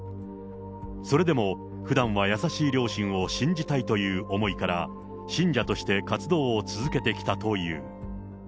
それでも、ふだんは優しい両親を信じたいという思いから、信者として活動を続けてきたという。